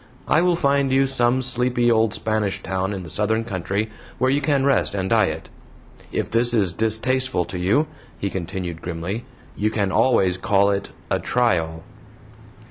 I will find you some sleepy old Spanish town in the southern country where you can rest and diet. If this is distasteful to you," he continued, grimly, "you can always call it 'a trial.'"